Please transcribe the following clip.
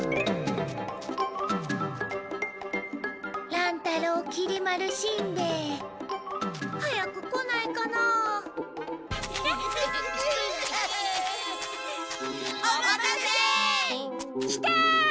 乱太郎きり丸しんべヱ早く来ないかなあ。フフフフ！お待たせ！来た！